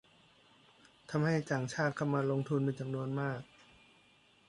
ทำให้ต่างชาติเข้ามาลงทุนเป็นจำนวนมาก